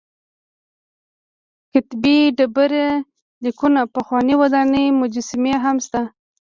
کتیبې ډبر لیکونه پخوانۍ ودانۍ مجسمې هم شته.